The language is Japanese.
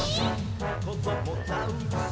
「こどもザウルス